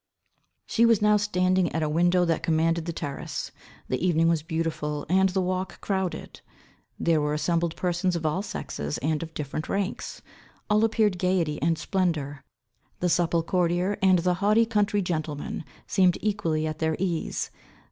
She was now standing at a window that commanded the terrace. The evening was beautiful, and the walk crouded. There were assembled persons of all sexes and of different ranks. All appeared gaiety and splendour. The supple courtier and the haughty country gentleman seemed equally at their ease.